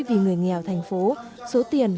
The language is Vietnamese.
vì người nghèo thành phố số tiền